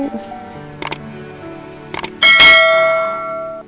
apa dia bisa tidur nyenyak